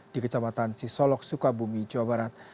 di kecamatan cisolok sukabumi jawa barat